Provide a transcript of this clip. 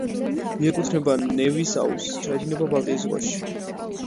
მიეკუთვნება ნევის აუზს, ჩაედინება ბალტიის ზღვაში.